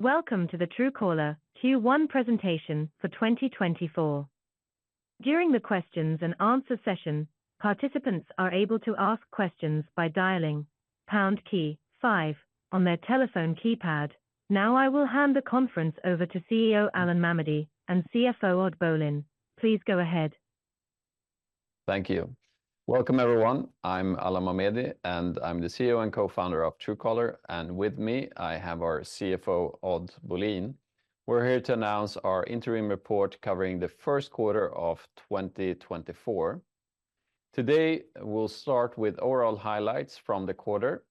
Welcome to the Truecaller Q1 Presentation for 2024. During the questions and answers session, participants are able to ask questions by dialing pound key five on their telephone keypad. Now, I will hand the conference over to CEO Alan Mamedi and CFO Odd Bolin. Please go ahead. Thank you. Welcome, everyone. I'm Alan Mamedi, and I'm the CEO and co-founder of Truecaller, and with me, I have our CFO, Odd Bolin. We're here to announce our interim report covering the first quarter of 2024. Today, we'll start with overall highlights from the quarter,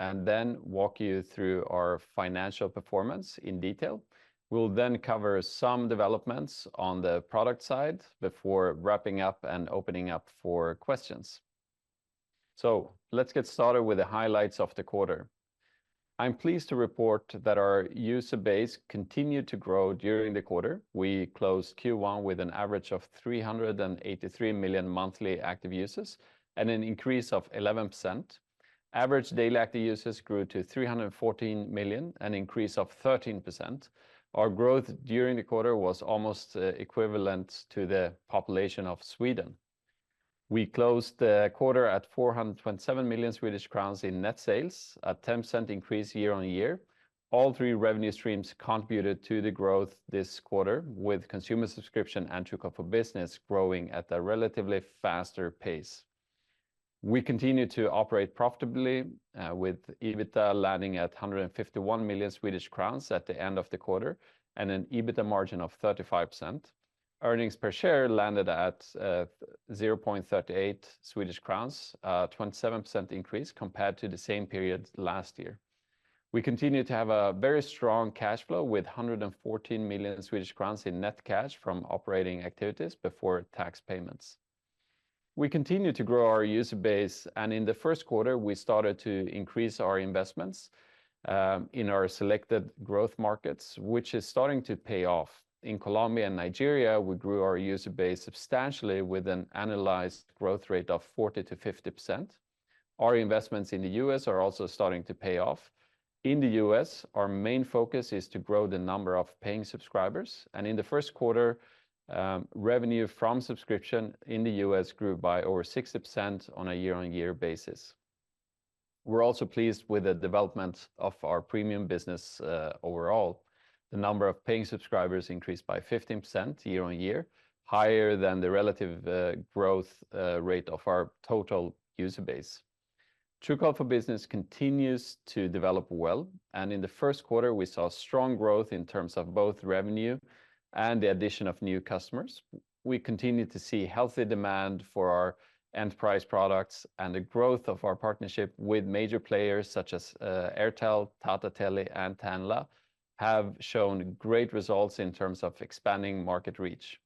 and then walk you through our financial performance in detail. We'll then cover some developments on the product side before wrapping up and opening up for questions. Let's get started with the highlights of the quarter. I'm pleased to report that our user base continued to grow during the quarter. We closed Q1 with an average of 383 million monthly active users and an increase of 11%. Average daily active users grew to 314 million, an increase of 13%. Our growth during the quarter was almost equivalent to the population of Sweden. We closed the quarter at 427 million Swedish crowns in net sales, a 10% increase year-on-year. All three revenue streams contributed to the growth this quarter, with consumer subscription and Truecaller Business growing at a relatively faster pace. We continued to operate profitably, with EBITDA landing at 151 million Swedish crowns at the end of the quarter and an EBITDA margin of 35%. Earnings per share landed at 0.38 Swedish crowns, 27% increase compared to the same period last year. We continue to have a very strong cash flow, with 114 million Swedish crowns in net cash from operating activities before tax payments. We continue to grow our user base, and in the first quarter, we started to increase our investments in our selected growth markets, which is starting to pay off. In Colombia and Nigeria, we grew our user base substantially with an annualized growth rate of 40%-50%. Our investments in the U.S. are also starting to pay off. In the U.S., our main focus is to grow the number of paying subscribers, and in the first quarter, revenue from subscription in the U.S. grew by over 60% on a year-on-year basis. We're also pleased with the development of our premium business overall. The number of paying subscribers increased by 15% year-on-year, higher than the relative growth rate of our total user base. Truecaller Business continues to develop well, and in the first quarter, we saw strong growth in terms of both revenue and the addition of new customers. We continue to see healthy demand for our enterprise products and the growth of our partnership with major players such as Airtel, Tata Tele, and Tanla have shown great results in terms of expanding market reach.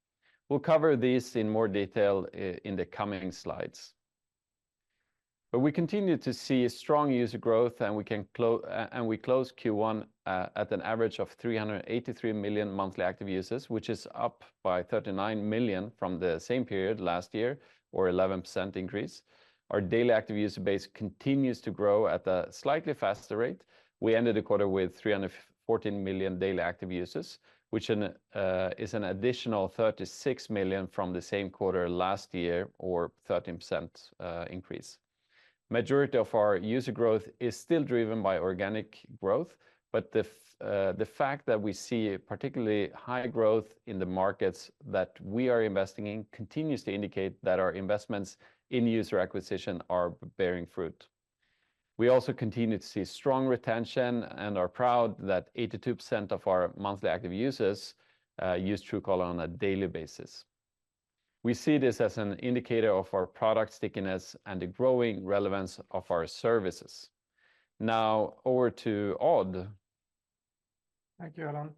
We'll cover this in more detail in the coming slides. But we continue to see strong user growth, and we closed Q1 at an average of 383 million monthly active users, which is up by 39 million from the same period last year or 11% increase. Our daily active user base continues to grow at a slightly faster rate. We ended the quarter with 314 million daily active users, which is an additional 36 million from the same quarter last year or 13% increase. Majority of our user growth is still driven by organic growth, but the fact that we see particularly high growth in the markets that we are investing in continues to indicate that our investments in user acquisition are bearing fruit. We also continue to see strong retention and are proud that 82% of our monthly active users use Truecaller on a daily basis. We see this as an indicator of our product stickiness and the growing relevance of our services. Now, over to Odd. Thank you, Alan.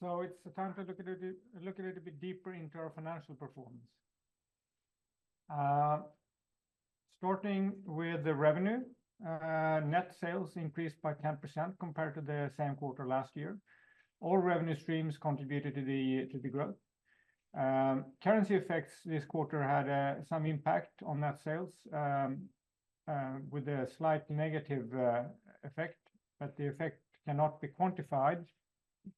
So it's time to look a little, look a little bit deeper into our financial performance. Starting with the revenue, net sales increased by 10% compared to the same quarter last year. All revenue streams contributed to the, to the growth. Currency effects this quarter had some impact on net sales, with a slight negative effect, but the effect cannot be quantified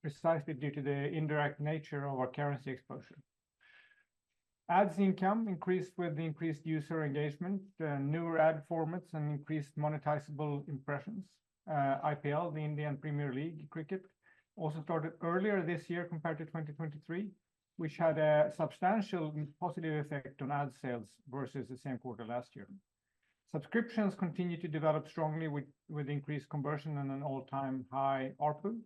precisely due to the indirect nature of our currency exposure. Ads income increased with the increased user engagement, newer ad formats, and increased monetizable impressions. IPL, the Indian Premier League cricket, also started earlier this year compared to 2023, which had a substantial positive effect on ad sales versus the same quarter last year. Subscriptions continued to develop strongly with, with increased conversion and an all-time high ARPU.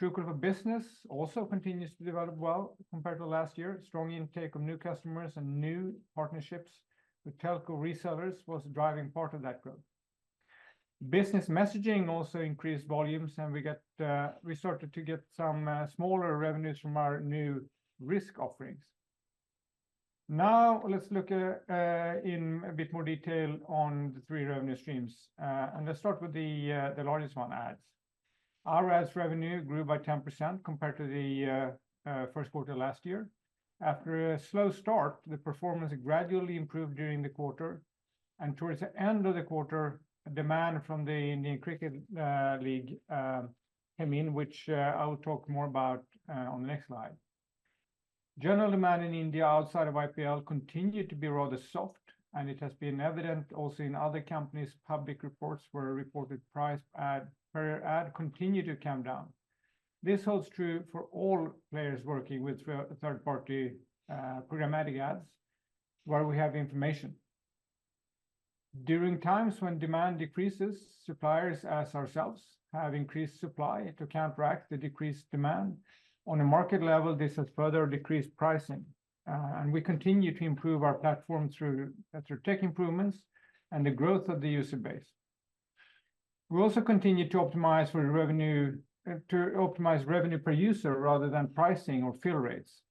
Truecaller for Business also continues to develop well compared to last year. Strong intake of new customers and new partnerships with telco resellers was driving part of that growth. Business Messaging also increased volumes, and we started to get some smaller revenues from our new risk offerings. Now, let's look in a bit more detail on the three revenue streams, and let's start with the largest one, ads. Our ads revenue grew by 10% compared to the first quarter last year. After a slow start, the performance gradually improved during the quarter.... and towards the end of the quarter, demand from the Indian Premier League came in, which I will talk more about on the next slide. General demand in India outside of IPL continued to be rather soft, and it has been evident also in other companies' public reports, where reported price per ad continued to come down. This holds true for all players working with third-party programmatic ads, where we have information. During times when demand decreases, suppliers as ourselves have increased supply to counteract the decreased demand. On a market level, this has further decreased pricing, and we continue to improve our platform through tech improvements and the growth of the user base. We also continue to optimize for revenue, to optimize revenue per user rather than pricing or fill rates.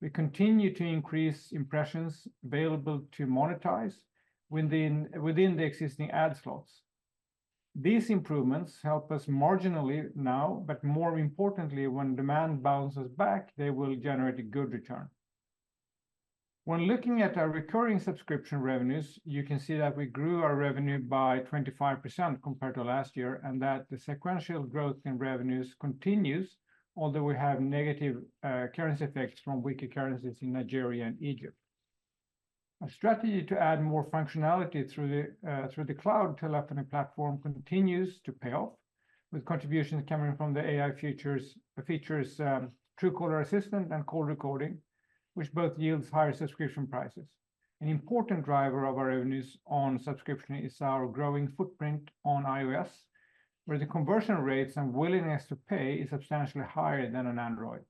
We continue to increase impressions available to monetize within the existing ad slots. These improvements help us marginally now, but more importantly, when demand bounces back, they will generate a good return. When looking at our recurring subscription revenues, you can see that we grew our revenue by 25% compared to last year, and that the sequential growth in revenues continues, although we have negative currency effects from weaker currencies in Nigeria and Egypt. Our strategy to add more functionality through the cloud telephony platform continues to pay off, with contributions coming from the AI features, Truecaller Assistant and call recording, which both yields higher subscription prices. An important driver of our revenues on subscription is our growing footprint on iOS, where the conversion rates and willingness to pay is substantially higher than on Android.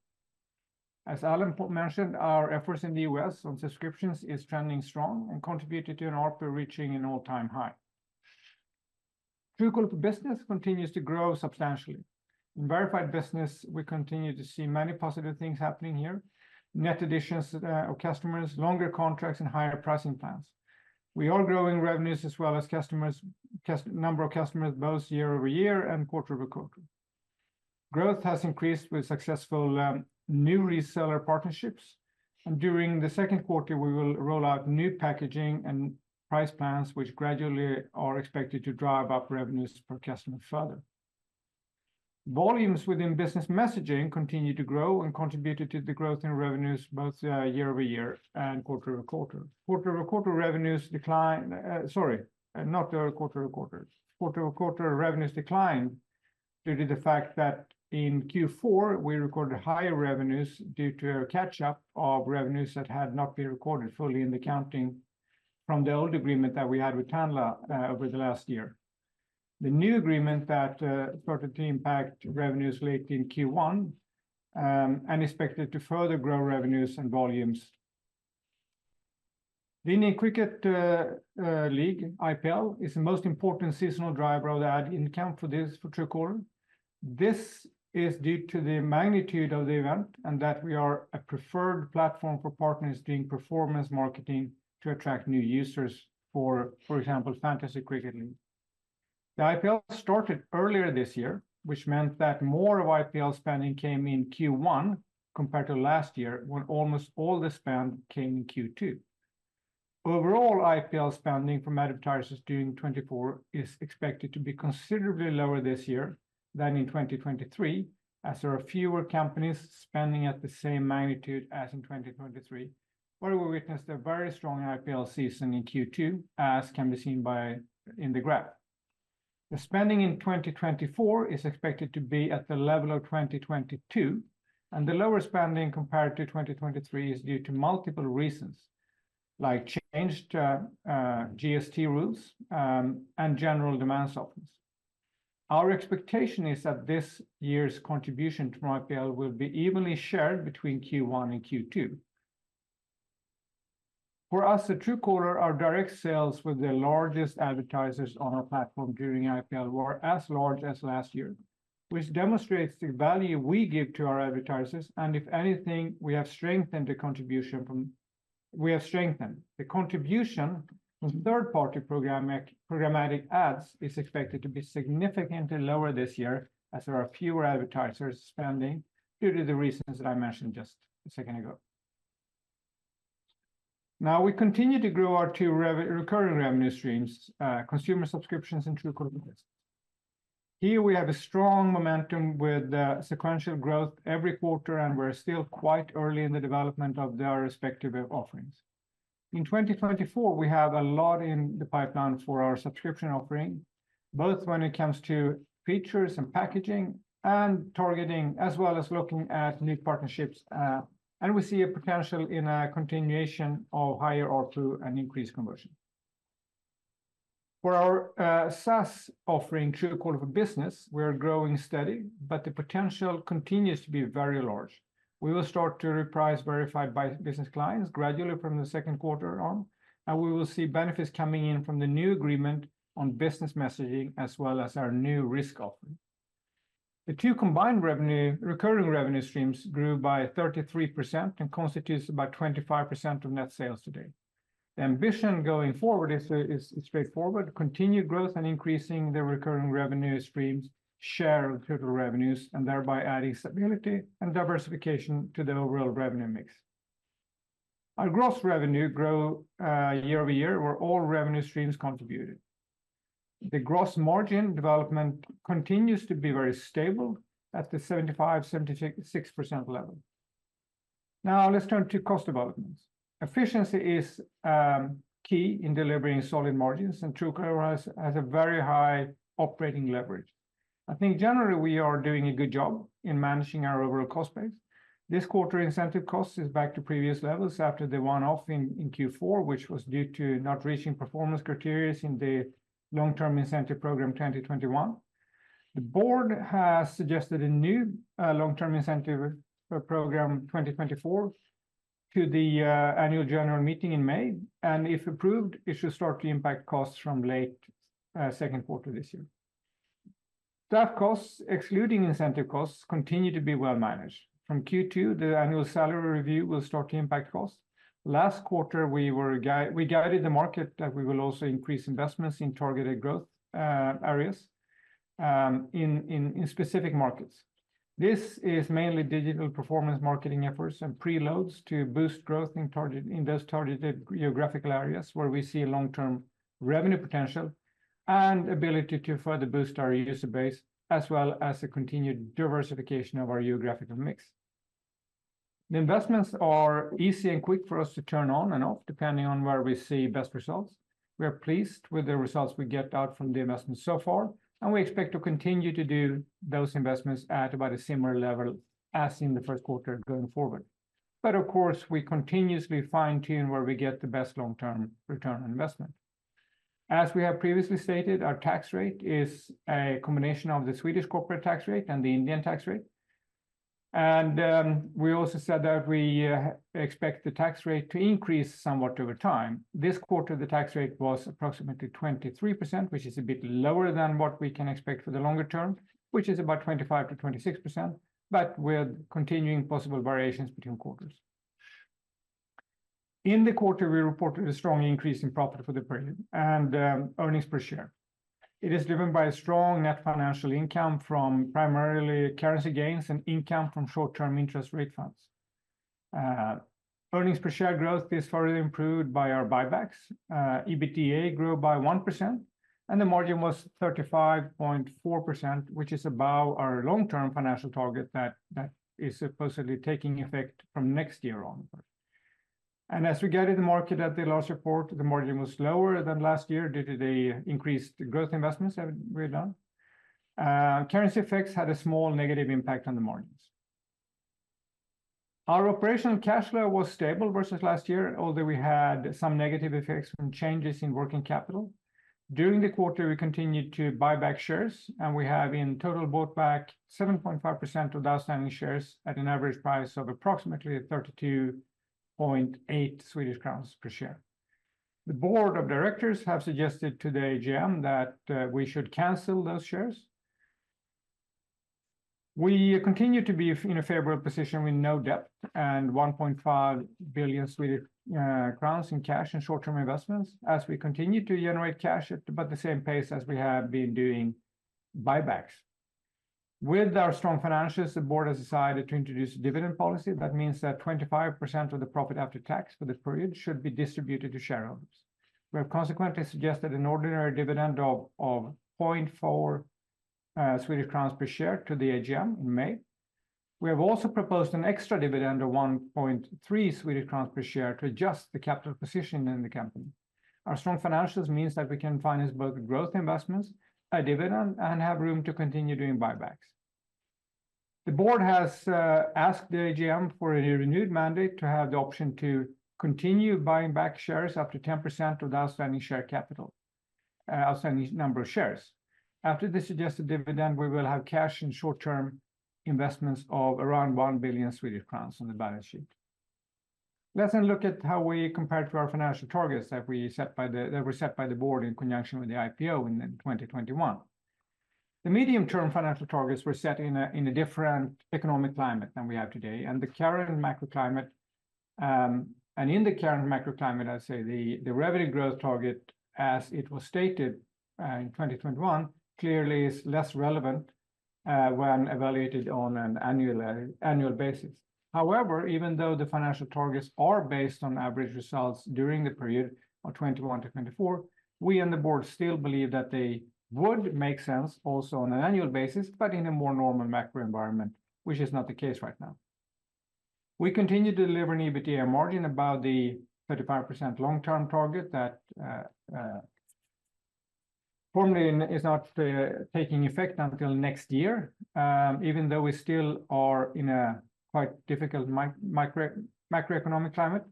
As Alan mentioned, our efforts in the U.S. on subscriptions is trending strong and contributed to an ARPU reaching an all-time high. Truecaller Business continues to grow substantially. In Verified Business, we continue to see many positive things happening here: net additions of customers, longer contracts, and higher pricing plans. We are growing revenues as well as number of customers, both year-over-year and quarter-over-over. Growth has increased with successful new reseller partnerships, and during the second quarter, we will roll out new packaging and price plans, which gradually are expected to drive up revenues per customer further. Volumes within Business Messaging continued to grow and contributed to the growth in revenues both year-over-year and quarter-over-over. Quarter-over-over revenues decline—sorry, not quarter-over-over. Quarter-over-quarter revenues declined due to the fact that in Q4, we recorded higher revenues due to a catch-up of revenues that had not been recorded fully in the accounting from the old agreement that we had with Tanla over the last year. The new agreement that started to impact revenues late in Q1 and expected to further grow revenues and volumes. The Indian Cricket League, IPL, is the most important seasonal driver of ad income for this, for Truecaller. This is due to the magnitude of the event, and that we are a preferred platform for partners doing performance marketing to attract new users for example, fantasy cricket league. The IPL started earlier this year, which meant that more of IPL spending came in Q1 compared to last year, when almost all the spend came in Q2. Overall, IPL spending from advertisers during 2024 is expected to be considerably lower this year than in 2023, as there are fewer companies spending at the same magnitude as in 2023, where we witnessed a very strong IPL season in Q2, as can be seen in the graph. The spending in 2024 is expected to be at the level of 2022, and the lower spending compared to 2023 is due to multiple reasons, like changed GST rules, and general demand softness. Our expectation is that this year's contribution to IPL will be evenly shared between Q1 and Q2. For us, at Truecaller, our direct sales with the largest advertisers on our platform during IPL were as large as last year, which demonstrates the value we give to our advertisers, and if anything, we have strengthened the contribution we have strengthened. The contribution from third-party programmatic ads is expected to be significantly lower this year, as there are fewer advertisers spending due to the reasons that I mentioned just a second ago. Now, we continue to grow our two rev, recurring revenue streams, consumer subscriptions and Truecaller Business. Here we have a strong momentum with sequential growth every quarter, and we're still quite early in the development of their respective offerings. In 2024, we have a lot in the pipeline for our subscription offering, both when it comes to features and packaging, and targeting, as well as looking at new partnerships, and we see a potential in a continuation of higher ARPU and increased conversion. For our SaaS offering, Truecaller Business, we are growing steady, but the potential continues to be very large. We will start to reprice Verified Business clients gradually from the second quarter on, and we will see benefits coming in from the new agreement on Business Messaging, as well as our new risk offering. The two combined revenue, recurring revenue streams grew by 33% and constitutes about 25% of net sales today. The ambition going forward is, is straightforward: continued growth and increasing the recurring revenue streams' share of total revenues, and thereby adding stability and diversification to the overall revenue mix.... Our gross revenue grow, year-over-year, where all revenue streams contributed. The gross margin development continues to be very stable at the 75%-76% level. Now let's turn to cost developments. Efficiency is key in delivering solid margins, and Truecaller has, has a very high operating leverage. I think generally we are doing a good job in managing our overall cost base. This quarter, incentive cost is back to previous levels after the one-off in Q4, which was due to not reaching performance criteria in the Long-Term Incentive Program 2021. The board has suggested a new Long-Term Incentive Program 2024 to the Annual General Meeting in May, and if approved, it should start to impact costs from late second quarter this year. Staff costs, excluding incentive costs, continue to be well managed. From Q2, the annual salary review will start to impact costs. Last quarter, we guided the market that we will also increase investments in targeted growth areas in specific markets. This is mainly digital performance marketing efforts and preloads to boost growth in targeted geographical areas where we see long-term revenue potential and ability to further boost our user base, as well as a continued diversification of our geographical mix. The investments are easy and quick for us to turn on and off, depending on where we see best results. We are pleased with the results we get out from the investments so far, and we expect to continue to do those investments at about a similar level as in the first quarter going forward. But of course, we continuously fine-tune where we get the best long-term return on investment. As we have previously stated, our tax rate is a combination of the Swedish corporate tax rate and the Indian tax rate. We also said that we expect the tax rate to increase somewhat over time. This quarter, the tax rate was approximately 23%, which is a bit lower than what we can expect for the longer term, which is about 25%-26%, but with continuing possible variations between quarters. In the quarter, we reported a strong increase in profit for the period and earnings per share. It is driven by a strong net financial income from primarily currency gains and income from short-term interest rate funds. Earnings per share growth is further improved by our buybacks. EBITDA grew by 1%, and the margin was 35.4%, which is above our long-term financial target that, that is supposedly taking effect from next year on. As we guided the market at the last report, the margin was lower than last year due to the increased growth investments that we have done. Currency effects had a small negative impact on the margins. Our operational cash flow was stable versus last year, although we had some negative effects from changes in working capital. During the quarter, we continued to buy back shares, and we have in total bought back 7.5% of the outstanding shares at an average price of approximately 32.8 Swedish crowns per share. The board of directors have suggested to the AGM that we should cancel those shares. We continue to be in a favorable position with no debt and 1.5 billion Swedish crowns in cash and short-term investments as we continue to generate cash at about the same pace as we have been doing buybacks. With our strong financials, the board has decided to introduce a dividend policy. That means that 25% of the profit after tax for the period should be distributed to shareholders. We have consequently suggested an ordinary dividend of 0.4 Swedish crowns per share to the AGM in May. We have also proposed an extra dividend of 1.3 Swedish crowns per share to adjust the capital position in the company. Our strong financials means that we can finance both growth investments, a dividend, and have room to continue doing buybacks. The board has asked the AGM for a renewed mandate to have the option to continue buying back shares up to 10% of the outstanding share capital, outstanding number of shares. After the suggested dividend, we will have cash and short-term investments of around 1 billion Swedish crowns on the balance sheet. Let's then look at how we compare to our financial targets that were set by the board in conjunction with the IPO in 2021. The medium-term financial targets were set in a different economic climate than we have today, and the current macro climate. In the current macro climate, I'd say the revenue growth target, as it was stated, in 2021, clearly is less relevant, when evaluated on an annual basis. However, even though the financial targets are based on average results during the period of 2021-2024, we and the board still believe that they would make sense also on an annual basis, but in a more normal macro environment, which is not the case right now. We continue to deliver an EBITDA margin about the 35% long-term target that formally is not taking effect until next year, even though we still are in a quite difficult macroeconomic climate,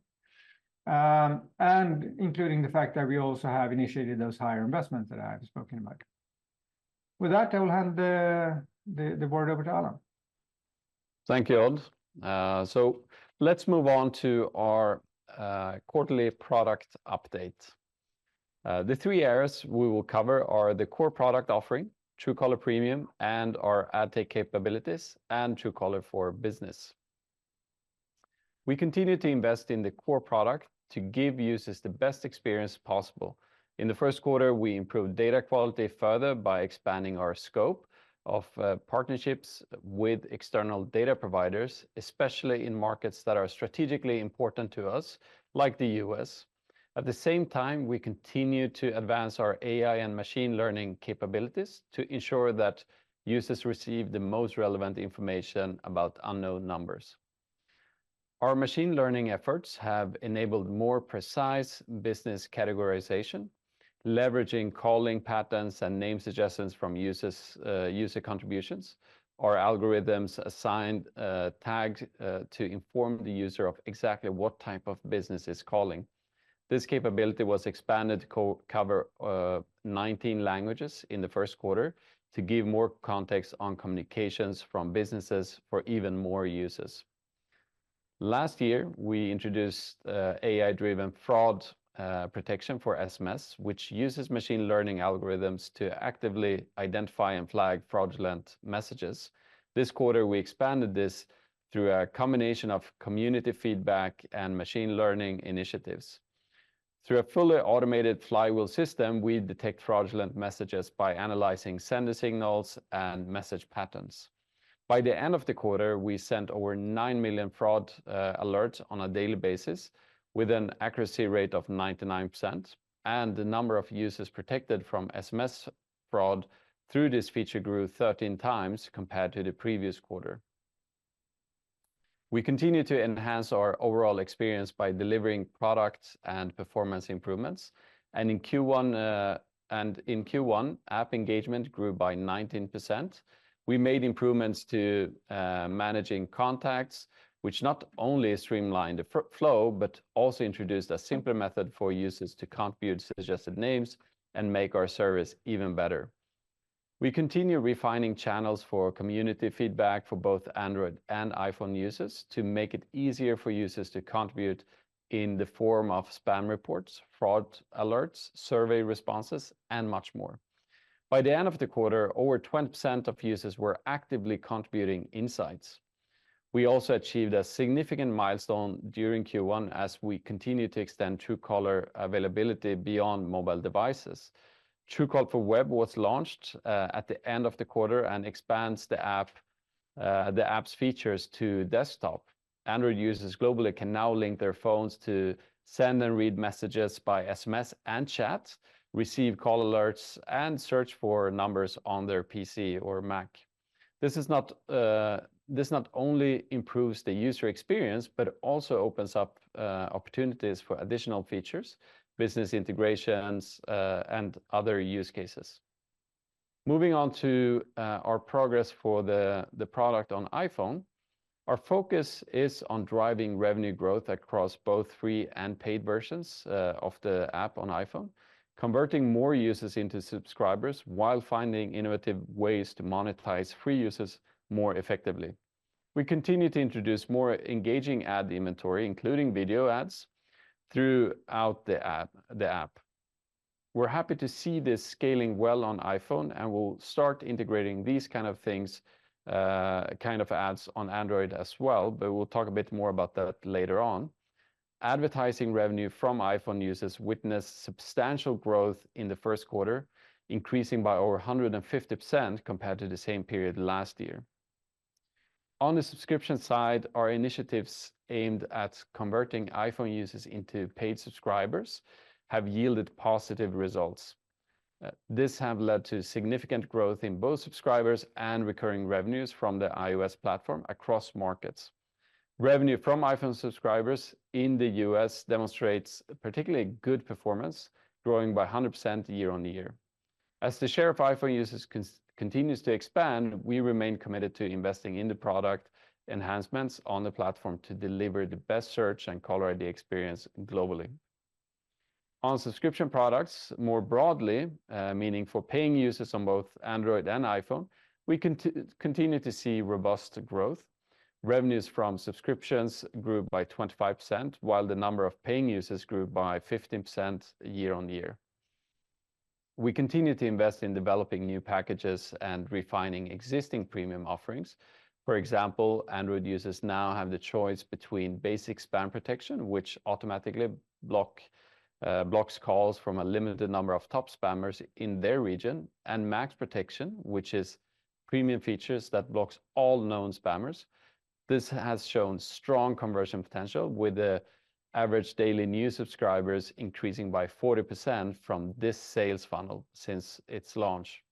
and including the fact that we also have initiated those higher investments that I have spoken about. With that, I will hand the word over to Alan. Thank you, Odd. So let's move on to our quarterly product update. The three areas we will cover are the core product offering, Truecaller Premium, and our ad tech capabilities, and Truecaller for Business. We continue to invest in the core product to give users the best experience possible. In the first quarter, we improved data quality further by expanding our scope of partnerships with external data providers, especially in markets that are strategically important to us, like the US. At the same time, we continue to advance our AI and machine learning capabilities to ensure that users receive the most relevant information about unknown numbers. Our machine learning efforts have enabled more precise business categorization, leveraging calling patterns and name suggestions from users, user contributions. Our algorithms assigned tags to inform the user of exactly what type of business is calling. This capability was expanded to cover 19 languages in the first quarter to give more context on communications from businesses for even more users. Last year, we introduced AI-driven fraud protection for SMS, which uses machine learning algorithms to actively identify and flag fraudulent messages. This quarter, we expanded this through a combination of community feedback and machine learning initiatives. Through a fully automated flywheel system, we detect fraudulent messages by analyzing sender signals and message patterns. By the end of the quarter, we sent over 9 million fraud alerts on a daily basis, with an accuracy rate of 99%, and the number of users protected from SMS fraud through this feature grew 13 times compared to the previous quarter. We continue to enhance our overall experience by delivering products and performance improvements, and in Q1, app engagement grew by 19%. We made improvements to managing contacts, which not only streamlined the flow, but also introduced a simpler method for users to contribute suggested names and make our service even better. We continue refining channels for community feedback for both Android and iPhone users to make it easier for users to contribute in the form of spam reports, fraud alerts, survey responses, and much more. By the end of the quarter, over 20% of users were actively contributing insights. We also achieved a significant milestone during Q1 as we continued to extend Truecaller availability beyond mobile devices. Truecaller for Web was launched at the end of the quarter and expands the app's features to desktop. Android users globally can now link their phones to send and read messages by SMS and chat, receive call alerts, and search for numbers on their PC or Mac. This not only improves the user experience but also opens up opportunities for additional features, business integrations, and other use cases. Moving on to our progress for the product on iPhone, our focus is on driving revenue growth across both free and paid versions of the app on iPhone, converting more users into subscribers while finding innovative ways to monetize free users more effectively. We continue to introduce more engaging ad inventory, including video ads, throughout the app. We're happy to see this scaling well on iPhone, and we'll start integrating these kind of things, kind of ads on Android as well, but we'll talk a bit more about that later on. Advertising revenue from iPhone users witnessed substantial growth in the first quarter, increasing by over 150% compared to the same period last year. On the subscription side, our initiatives aimed at converting iPhone users into paid subscribers have yielded positive results. This have led to significant growth in both subscribers and recurring revenues from the iOS platform across markets. Revenue from iPhone subscribers in the U.S. demonstrates particularly good performance, growing by 100% year-on-year. As the share of iPhone users continues to expand, we remain committed to investing in the product enhancements on the platform to deliver the best search and caller ID experience globally. On subscription products, more broadly, meaning for paying users on both Android and iPhone, we continue to see robust growth. Revenues from subscriptions grew by 25%, while the number of paying users grew by 15% year-on-year. We continue to invest in developing new packages and refining existing premium offerings. For example, Android users now have the choice between basic spam protection, which automatically blocks calls from a limited number of top spammers in their region, and Max protection, which is premium features that blocks all known spammers. This has shown strong conversion potential, with the average daily new subscribers increasing by 40% from this sales funnel since its launch.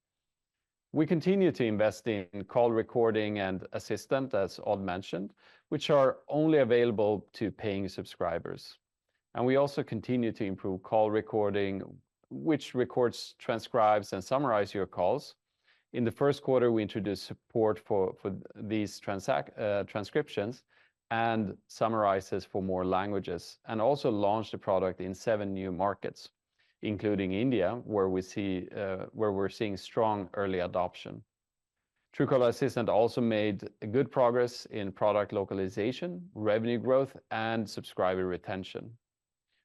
We continue to invest in call recording and assistant, as Odd mentioned, which are only available to paying subscribers, and we also continue to improve call recording, which records, transcribes, and summarize your calls. In the first quarter, we introduced support for these transcriptions and summaries for more languages, and also launched the product in seven new markets, including India, where we're seeing strong early adoption. Truecaller Assistant also made good progress in product localization, revenue growth, and subscriber retention.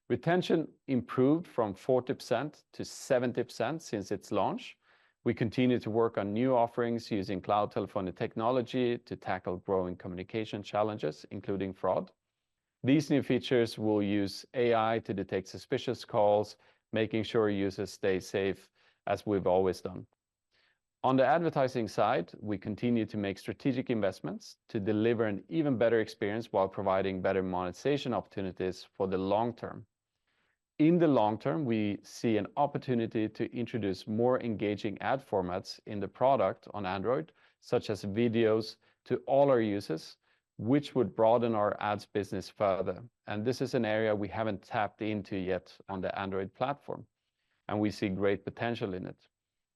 Retention improved from 40%-70% since its launch. We continue to work on new offerings using cloud telephony technology to tackle growing communication challenges, including fraud. These new features will use AI to detect suspicious calls, making sure users stay safe, as we've always done. On the advertising side, we continue to make strategic investments to deliver an even better experience while providing better monetization opportunities for the long term. In the long term, we see an opportunity to introduce more engaging ad formats in the product on Android, such as videos, to all our users, which would broaden our ads business further, and this is an area we haven't tapped into yet on the Android platform, and we see great potential in it.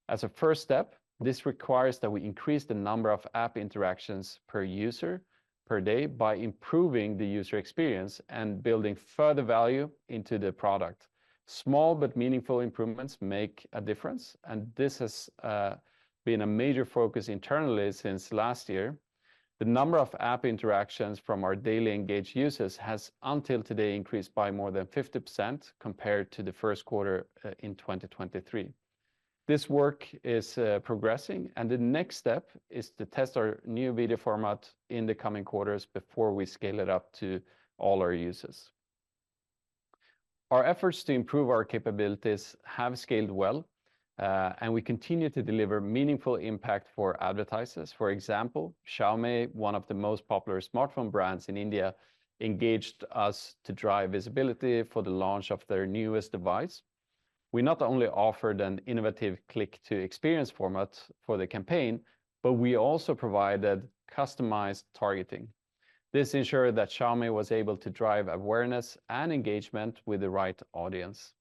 As a first step, this requires that we increase the number of app interactions per user per day by improving the user experience and building further value into the product. Small but meaningful improvements make a difference, and this has been a major focus internally since last year. The number of app interactions from our daily engaged users has, until today, increased by more than 50% compared to the first quarter in 2023. This work is progressing, and the next step is to test our new video format in the coming quarters before we scale it up to all our users. Our efforts to improve our capabilities have scaled well, and we continue to deliver meaningful impact for advertisers. For example, Xiaomi, one of the most popular smartphone brands in India, engaged us to drive visibility for the launch of their newest device. We not only offered an innovative click-to-experience format for the campaign, but we also provided customized targeting. This ensured that Xiaomi was able to drive awareness and engagement with the right audience.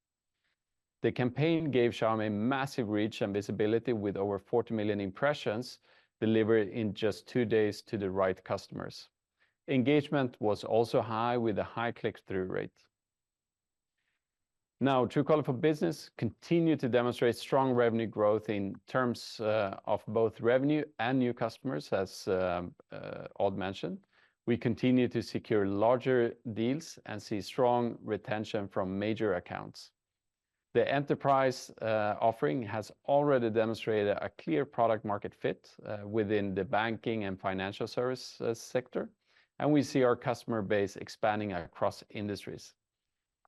The campaign gave Xiaomi massive reach and visibility, with over 40 million impressions delivered in just two days to the right customers. Engagement was also high, with a high click-through rate. Now, Truecaller for Business continued to demonstrate strong revenue growth in terms of both revenue and new customers, as Odd mentioned. We continue to secure larger deals and see strong retention from major accounts. The enterprise offering has already demonstrated a clear product market fit within the banking and financial service sector, and we see our customer base expanding across industries.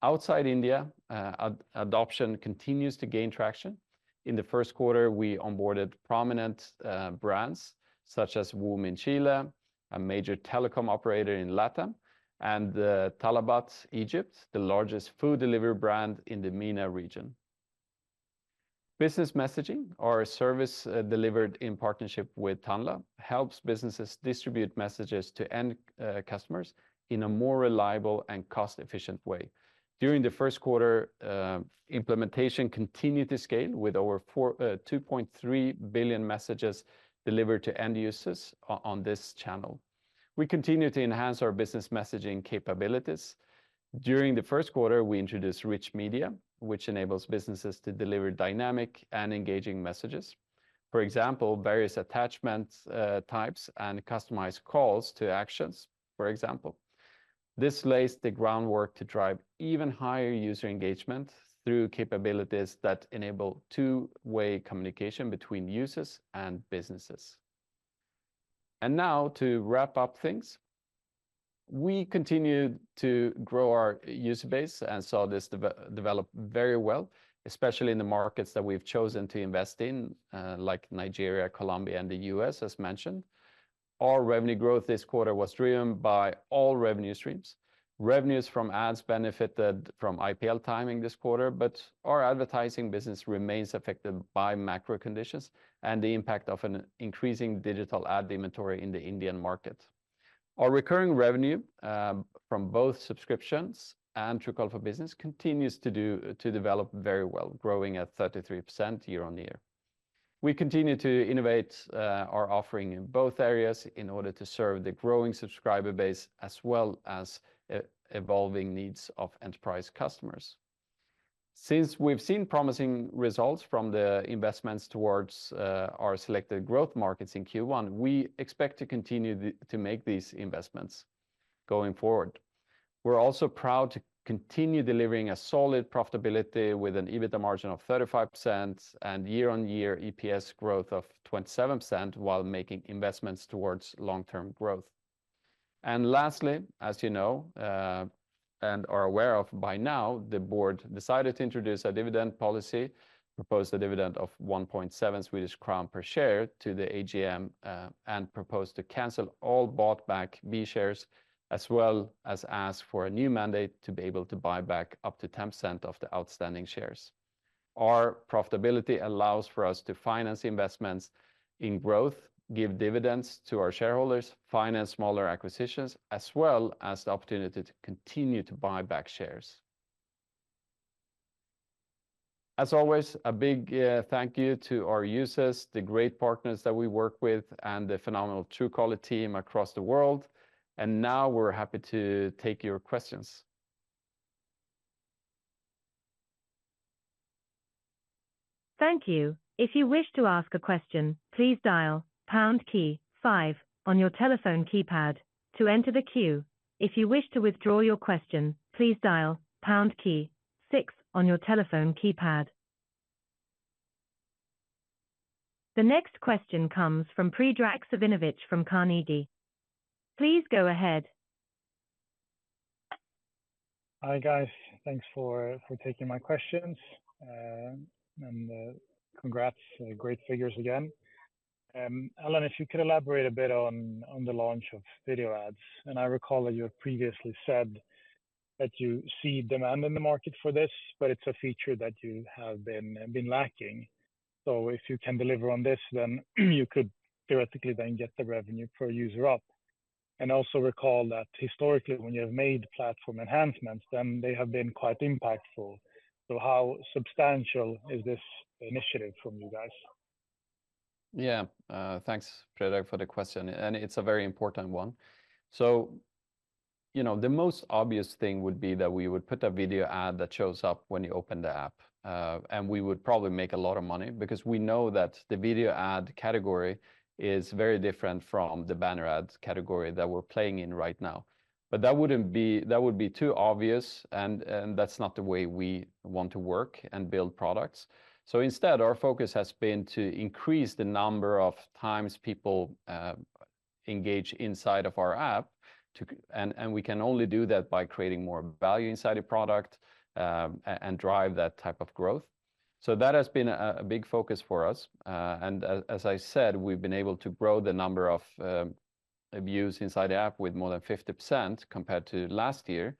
Outside India, adoption continues to gain traction. In the first quarter, we onboarded prominent brands such as WOM in Chile, a major telecom operator in LATAM, and Talabat, Egypt, the largest food delivery brand in the MENA region. Business Messaging, our service, delivered in partnership with Tanla, helps businesses distribute messages to end customers in a more reliable and cost-efficient way. During the first quarter, implementation continued to scale, with over 42.3 billion messages delivered to end users on this channel. We continue to enhance our Business Messaging capabilities. During the first quarter, we introduced rich media, which enables businesses to deliver dynamic and engaging messages. For example, various attachment types and customized calls to actions, for example. This lays the groundwork to drive even higher user engagement through capabilities that enable two-way communication between users and businesses. And now, to wrap up things, we continue to grow our user base and saw this develop very well, especially in the markets that we've chosen to invest in, like Nigeria, Colombia, and the U.S., as mentioned. Our revenue growth this quarter was driven by all revenue streams. Revenues from ads benefited from IPL timing this quarter, but our advertising business remains affected by macro conditions and the impact of an increasing digital ad inventory in the Indian market. Our recurring revenue from both subscriptions and Truecaller Business continues to develop very well, growing at 33% year-on-year. We continue to innovate our offering in both areas in order to serve the growing subscriber base, as well as evolving needs of enterprise customers. Since we've seen promising results from the investments towards our selected growth markets in Q1, we expect to continue to make these investments going forward. We're also proud to continue delivering a solid profitability with an EBITDA margin of 35% and year-on-year EPS growth of 27%, while making investments towards long-term growth. And lastly, as you know, and are aware of by now, the board decided to introduce a dividend policy, proposed a dividend of 1.7 Swedish crown per share to the AGM, and proposed to cancel all bought back B shares, as well as ask for a new mandate to be able to buy back up to 10% of the outstanding shares. Our profitability allows for us to finance investments in growth, give dividends to our shareholders, finance smaller acquisitions, as well as the opportunity to continue to buy back shares. As always, a big thank you to our users, the great partners that we work with, and the phenomenal Truecaller team across the world. And now, we're happy to take your questions.... Thank you! If you wish to ask a question, please dial pound key five on your telephone keypad to enter the queue. If you wish to withdraw your question, please dial pound key six on your telephone keypad. The next question comes from Predrag Savinovic from Carnegie. Please go ahead. Hi, guys. Thanks for taking my questions, and congrats, great figures again. Alan, if you could elaborate a bit on the launch of video ads, and I recall that you have previously said that you see demand in the market for this, but it's a feature that you have been lacking. So if you can deliver on this, then you could theoretically then get the revenue per user up. And also recall that historically, when you have made platform enhancements, then they have been quite impactful. So how substantial is this initiative from you guys? Yeah. Thanks, Predrag, for the question, and it's a very important one. So, you know, the most obvious thing would be that we would put a video ad that shows up when you open the app. And we would probably make a lot of money because we know that the video ad category is very different from the banner ads category that we're playing in right now. But that wouldn't be-- that would be too obvious, and that's not the way we want to work and build products. So instead, our focus has been to increase the number of times people engage inside of our app, to... And we can only do that by creating more value inside a product, and drive that type of growth. So that has been a big focus for us. As I said, we've been able to grow the number of views inside the app with more than 50% compared to last year.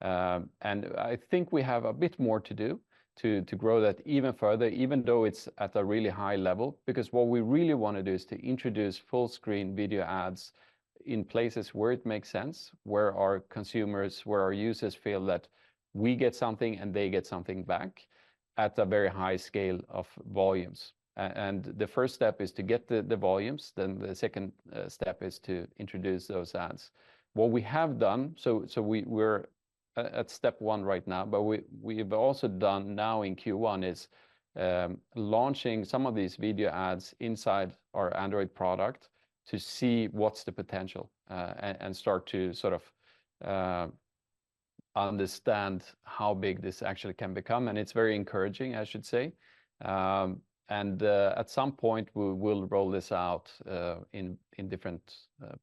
And I think we have a bit more to do to grow that even further, even though it's at a really high level. Because what we really wanna do is to introduce full-screen video ads in places where it makes sense, where our consumers, where our users feel that we get something, and they get something back at a very high scale of volumes. And the first step is to get the volumes, then the second step is to introduce those ads. What we have done, so we're at step one right now, but we have also done now in Q1 is launching some of these video ads inside our Android product to see what's the potential, and start to sort of understand how big this actually can become. It's very encouraging, I should say. At some point, we will roll this out in different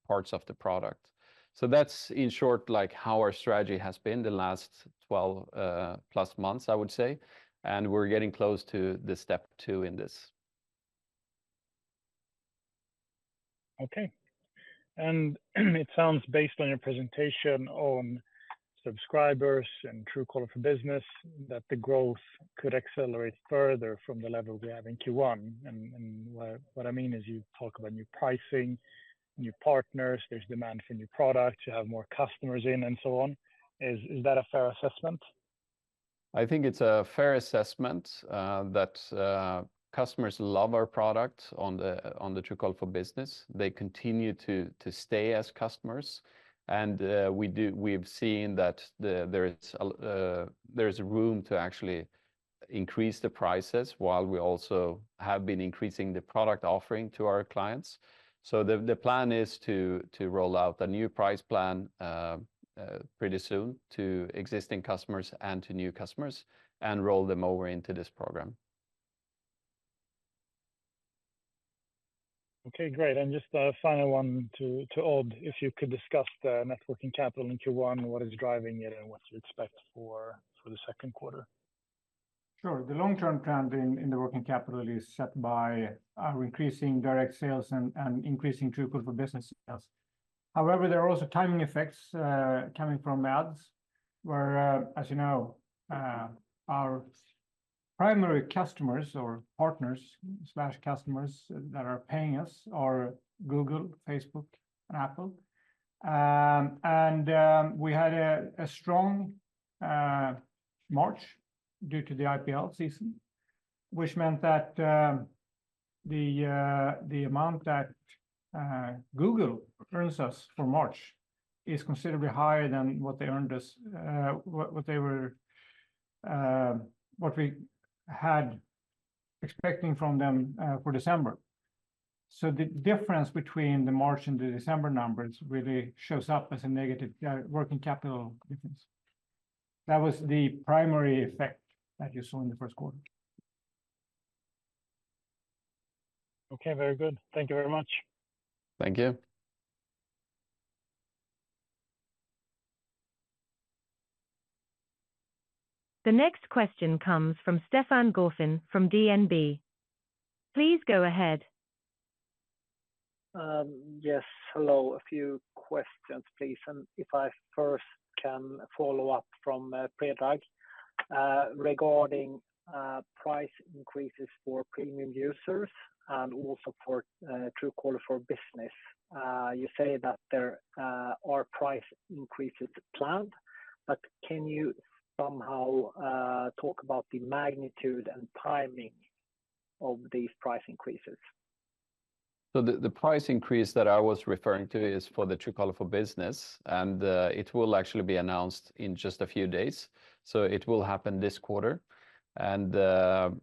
parts of the product. So that's, in short, like, how our strategy has been the last 12+ months, I would say, and we're getting close to step two in this. Okay. And it sounds, based on your presentation on subscribers and Truecaller for Business, that the growth could accelerate further from the level we have in Q1. And what I mean is, you talk about new pricing, new partners, there's demand for new products, you have more customers in, and so on. Is that a fair assessment? I think it's a fair assessment that customers love our product on the Truecaller for Business. They continue to stay as customers, and we have seen that there is room to actually increase the prices, while we also have been increasing the product offering to our clients. So the plan is to roll out a new price plan pretty soon to existing customers and to new customers and roll them over into this program. Okay, great. And just a final one to, to Odd. If you could discuss the net working capital in Q1, what is driving it, and what to expect for, for the second quarter? Sure. The long-term trend in the working capital is set by our increasing direct sales and increasing Truecaller for Business sales. However, there are also timing effects coming from ads, where, as you know, our primary customers or partners or customers that are paying us are Google, Facebook, and Apple. We had a strong March due to the IPL season, which meant that the amount that Google earns us for March is considerably higher than what we had expecting from them for December. So the difference between the March and the December numbers really shows up as a negative working capital difference. That was the primary effect that you saw in the first quarter. Okay, very good. Thank you very much. Thank you. The next question comes from Stefan Gauffin from DNB Markets. Please go ahead. Yes, hello. A few questions, please, and if I first can follow up from Predrag regarding price increases for premium users and also for Truecaller for Business. You say that there are price increases planned, but can you somehow talk about the magnitude and timing of these price increases?... So the price increase that I was referring to is for the Truecaller for Business, and it will actually be announced in just a few days, so it will happen this quarter. And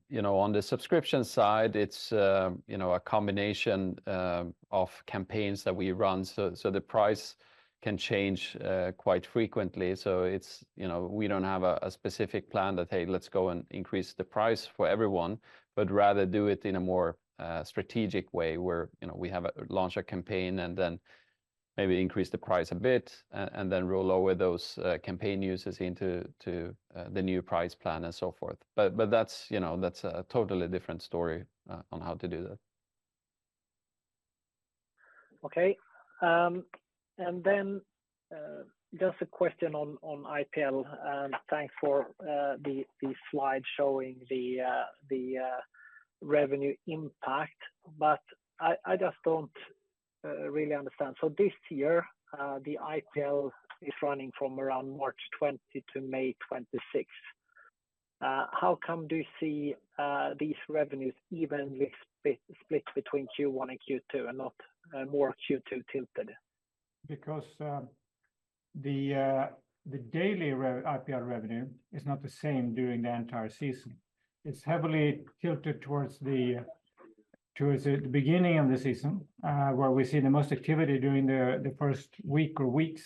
you know, on the subscription side, it's you know, a combination of campaigns that we run. So the price can change quite frequently. So it's you know, we don't have a specific plan that, "Hey, let's go and increase the price for everyone," but rather do it in a more strategic way, where you know, we have a launch a campaign and then maybe increase the price a bit and then roll over those campaign users into the new price plan and so forth. But that's you know, that's a totally different story on how to do that. Okay. Then, just a question on IPL. Thanks for the slide showing the revenue impact, but I just don't really understand. So this year, the IPL is running from around March 20 to May 26th. How come do you see these revenues evenly split between Q1 and Q2 and not more Q2 tilted? Because the daily IPL revenue is not the same during the entire season. It's heavily tilted towards the beginning of the season, where we see the most activity during the first week or weeks,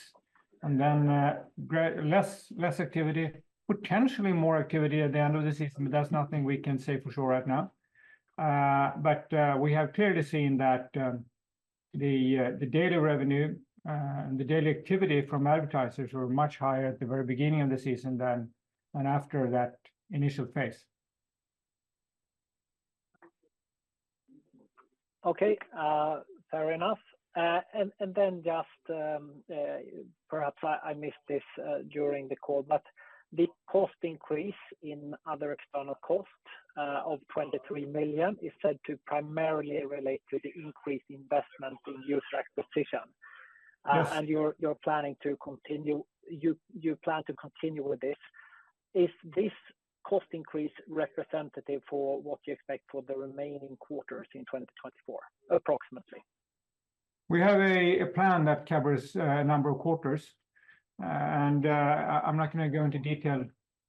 and then less activity, potentially more activity at the end of the season, but that's nothing we can say for sure right now. But we have clearly seen that the daily revenue and the daily activity from advertisers were much higher at the very beginning of the season than after that initial phase. Okay. Fair enough. And then just perhaps I missed this during the call, but the cost increase in other external costs of 23 million is said to primarily relate to the increased investment in user acquisition. Yes. And you're planning to continue, you plan to continue with this. Is this cost increase representative for what you expect for the remaining quarters in 2024, approximately? We have a plan that covers a number of quarters, and I'm not gonna go into detail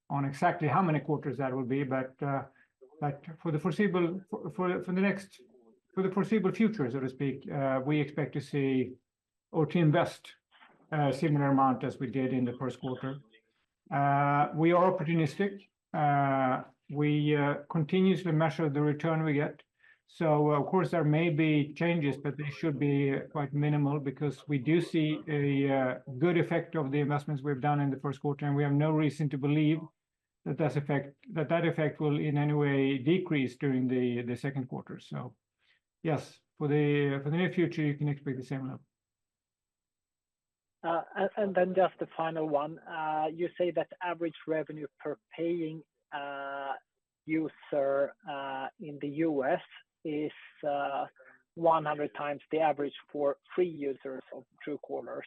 on exactly how many quarters that will be, but for the foreseeable future, so to speak, we expect to see or to invest a similar amount as we did in the first quarter. We are opportunistic. We continuously measure the return we get. So of course, there may be changes, but they should be quite minimal because we do see a good effect of the investments we've done in the first quarter, and we have no reason to believe that that effect will in any way decrease during the second quarter. So yes, for the near future, you can expect the same level. And, and then just the final one. You say that average revenue per paying user in the U.S. is 100 times the average for free users of Truecaller,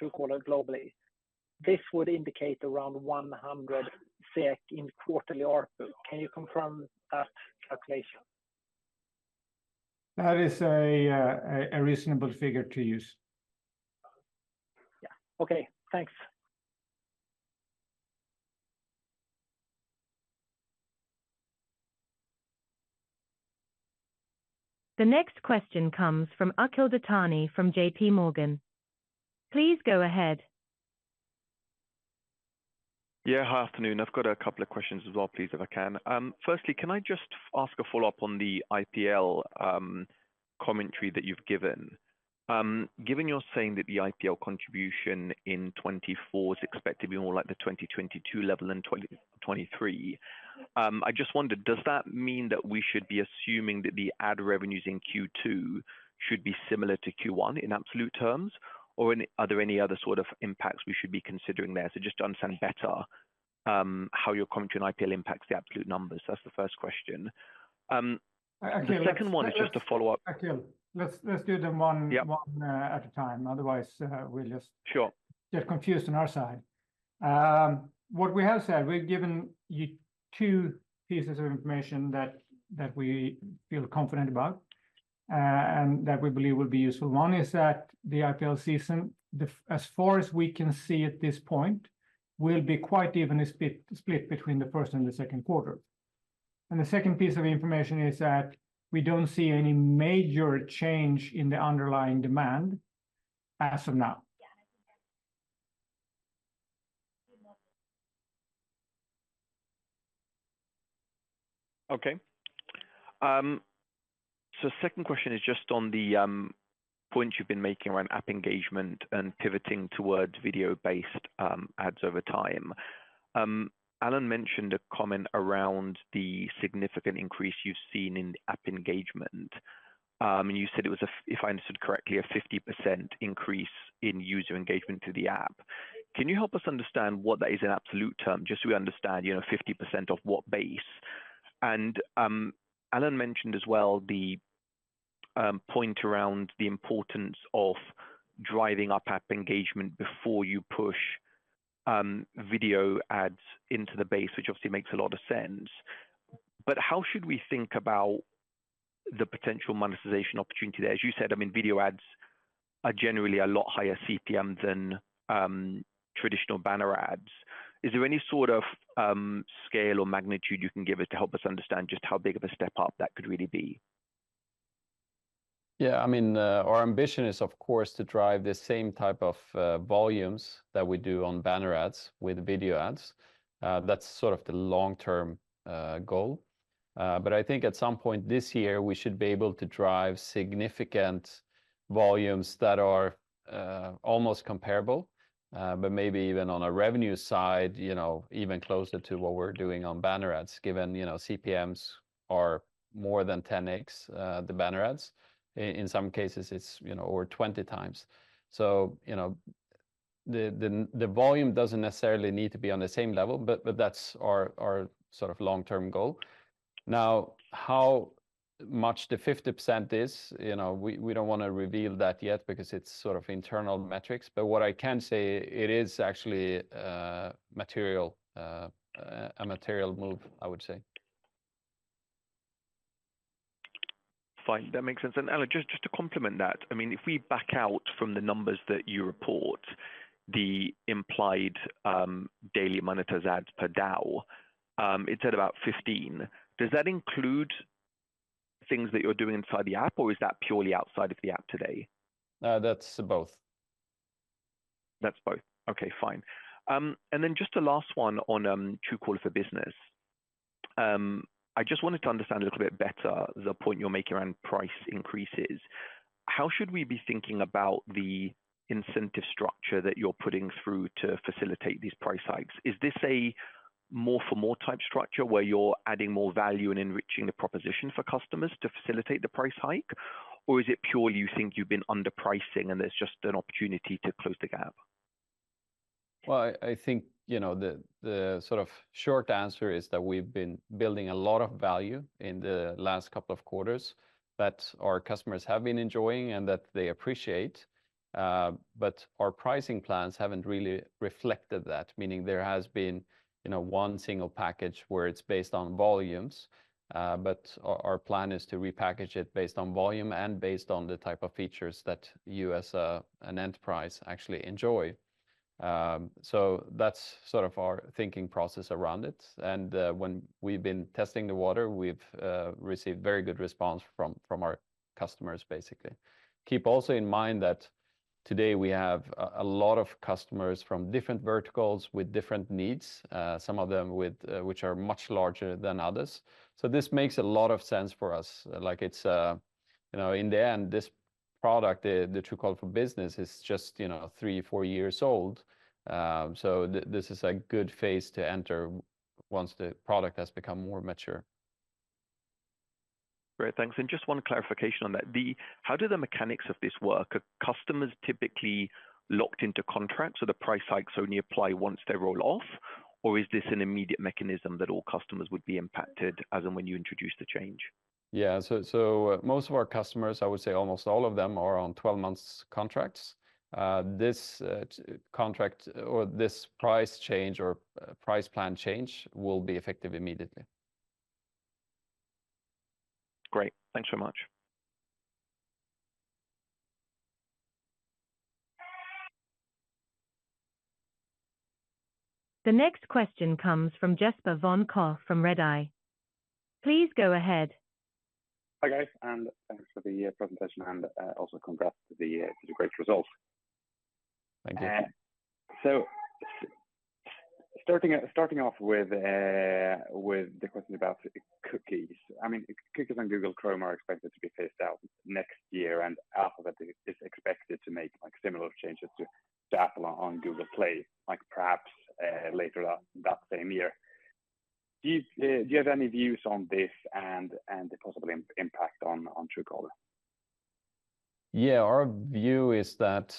Truecaller globally. This would indicate around 100 SEK in quarterly ARPU. Can you confirm that calculation? That is a reasonable figure to use. Yeah. Okay, thanks. The next question comes from Akhil Dattani, from J.P. Morgan. Please go ahead. Yeah, hi, afternoon. I've got a couple of questions as well, please, if I can. Firstly, can I just ask a follow-up on the IPL commentary that you've given? Given you're saying that the IPL contribution in 2024 is expected to be more like the 2022 level than 2023, I just wondered, does that mean that we should be assuming that the ad revenues in Q2 should be similar to Q1 in absolute terms, or are there any other sort of impacts we should be considering there? So just to understand better, how your commentary on IPL impacts the absolute numbers. That's the first question. Akhil- The second one is just a follow-up. Akhil, let's do them one- Yeah... one at a time. Otherwise, we'll just- Sure... get confused on our side. What we have said, we've given you two pieces of information that we feel confident about, and that we believe will be useful. One is that the IPL season, as far as we can see at this point, will be quite evenly split between the first and the second quarter. The second piece of information is that we don't see any major change in the underlying demand as of now. Okay. So second question is just on the points you've been making around app engagement and pivoting towards video-based ads over time. Alan mentioned a comment around the significant increase you've seen in app engagement. And you said it was, if I understood correctly, a 50% increase in user engagement to the app. Can you help us understand what that is in absolute term, just so we understand, you know, 50% of what base? And Alan mentioned as well the point around the importance of driving up app engagement before you push video ads into the base, which obviously makes a lot of sense. But how should we think about the potential monetization opportunity there? As you said, I mean, video ads are generally a lot higher CPM than traditional banner ads. Is there any sort of, scale or magnitude you can give us to help us understand just how big of a step up that could really be? Yeah, I mean, our ambition is, of course, to drive the same type of volumes that we do on banner ads with video ads. That's sort of the long-term goal. But I think at some point this year, we should be able to drive significant volumes that are almost comparable, but maybe even on a revenue side, you know, even closer to what we're doing on banner ads, given, you know, CPMs are more than 10x the banner ads. In some cases, it's, you know, over 20 times. So, you know, the, the, the volume doesn't necessarily need to be on the same level, but, but that's our, our sort of long-term goal. Now, how much the 50% is, you know, we, we don't wanna reveal that yet because it's sort of internal metrics, but what I can say, it is actually material, a material move, I would say. Fine, that makes sense. And, Alan, just to complement that, I mean, if we back out from the numbers that you report, the implied daily monetized ads per day, it's at about 15. Does that include things that you're doing inside the app, or is that purely outside of the app today? That's both. That's both. Okay, fine. And then just a last one on Truecaller for Business. I just wanted to understand a little bit better the point you're making around price increases. How should we be thinking about the incentive structure that you're putting through to facilitate these price hikes? Is this a more for more type structure, where you're adding more value and enriching the proposition for customers to facilitate the price hike? Or is it purely you think you've been underpricing, and there's just an opportunity to close the gap? Well, I think, you know, the sort of short answer is that we've been building a lot of value in the last couple of quarters, that our customers have been enjoying and that they appreciate. But our pricing plans haven't really reflected that, meaning there has been, you know, one single package where it's based on volumes. But our plan is to repackage it based on volume and based on the type of features that you as a an enterprise actually enjoy. So that's sort of our thinking process around it, and when we've been testing the water, we've received very good response from our customers, basically. Keep also in mind that today we have a lot of customers from different verticals with different needs, some of them with which are much larger than others. So this makes a lot of sense for us. Like it's, You know, in the end, this product, the Truecaller for Business, is just, you know, 3, 4 years old. So this is a good phase to enter once the product has become more mature. Great, thanks. And just one clarification on that. How do the mechanics of this work? Are customers typically locked into contracts, so the price hikes only apply once they roll off, or is this an immediate mechanism that all customers would be impacted, as in when you introduce the change? Yeah. So, so most of our customers, I would say almost all of them, are on 12 months contracts. This contract or this price change or price plan change will be effective immediately. Great, thanks so much. The next question comes from Jesper von Koch from Redeye. Please go ahead. Hi, guys, and thanks for the presentation, and also congrats to the great results. Thank you. So starting off with the question about cookies. I mean, cookies on Google Chrome are expected to be phased out next year, and Alphabet is expected to make, like, similar changes to Apple on Google Play, like perhaps later that same year. Do you have any views on this and the possible impact on Truecaller? Yeah, our view is that,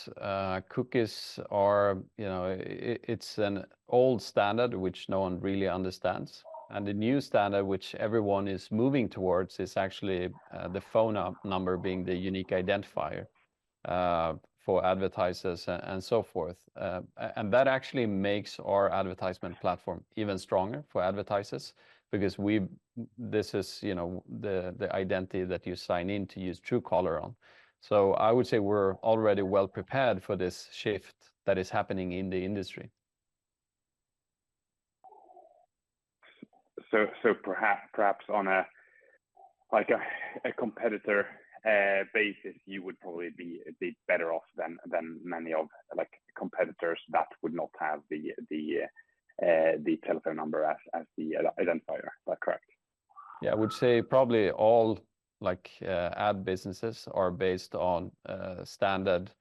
cookies are, you know... it's an old standard, which no one really understands, and the new standard, which everyone is moving towards, is actually, the phone number being the unique identifier, for advertisers and so forth. And that actually makes our advertisement platform even stronger for advertisers because we-- this is, you know, the, the identity that you sign in to use Truecaller on. So I would say we're already well prepared for this shift that is happening in the industry. So perhaps on a competitor basis, you would probably be a bit better off than many of, like, competitors that would not have the telephone number as the identifier. Is that correct? Yeah, I would say probably all, like, ad businesses are based on standard